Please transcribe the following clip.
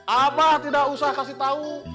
apa tidak usah kasih tahu